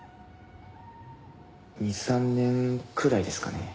２３年くらいですかね。